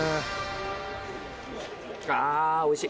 あおいしい！